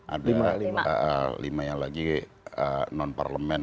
ada lima yang lagi non parlemen